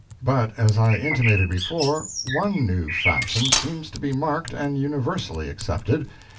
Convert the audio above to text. But as I intimated before, one new fashion seems to be marked and universally accepted.